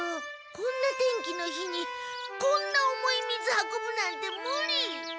こんな天気の日にこんな重い水運ぶなんてムリ！